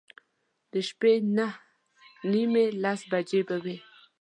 د شپې نهه نیمې، لس بجې به وې.